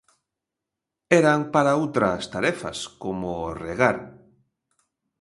Eran para outras tarefas, como regar.